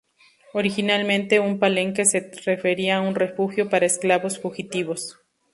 Originalmente un palenque se refería a un refugio para esclavos fugitivos.